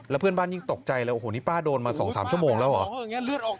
เพื่อนบ้านยิ่งตกใจเลยโอ้โหนี่ป้าโดนมา๒๓ชั่วโมงแล้วเหรอ